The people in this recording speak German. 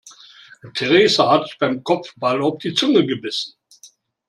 Theresa hat sich beim Kopfball auf die Zunge gebissen.